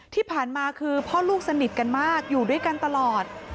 ที่ผ่านมาคือพ่อลูกสนิทกันมากอยู่ด้วยกันตลอด